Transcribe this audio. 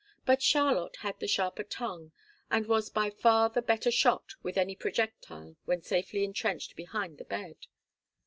But Charlotte had the sharper tongue and was by far the better shot with any projectile when safely entrenched behind the bed.